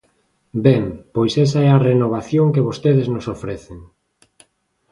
Ben, pois esa é a renovación que vostedes nos ofrecen.